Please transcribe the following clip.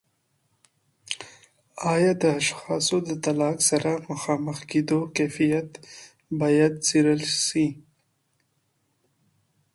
آیا د اشخاصو د طلاق سره مخامخ کیدو کیفیت باید څیړل سي؟